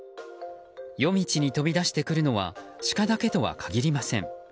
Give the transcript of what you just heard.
夜道に飛び出してくるのはシカだけとは限りません。